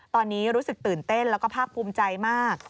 ตอนนี้รู้สึกตื่นเต้นแล้วก็ภาคภูมิใจมาก